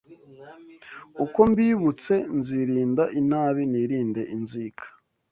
Uko mbibutse nzirinda inabi, nirinde inzika